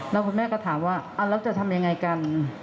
แล้วคุณแม่ก็ถามว่าแล้วจะทำยังไงกัน